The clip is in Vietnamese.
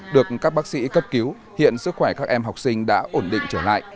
được các bác sĩ cấp cứu hiện sức khỏe các em học sinh đã ổn định trở lại